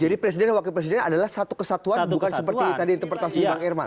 jadi presiden dan wakil presiden adalah satu kesatuan bukan seperti tadi interpretasi bung irman